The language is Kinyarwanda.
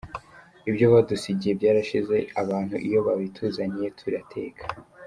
Ibyo badusigiye byarashize, abantu iyo babituzaniye turateka.